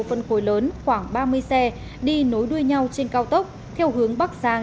phân khối lớn khoảng ba mươi xe đi nối đuôi nhau trên cao tốc theo hướng bắc giang